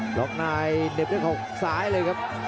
หลอกนายเหน็บด้วยข้าวซ้ายเลยครับ